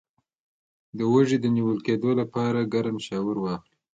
د اوږې د نیول کیدو لپاره ګرم شاور واخلئ